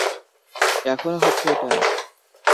এখনো হচ্ছে ঐটা?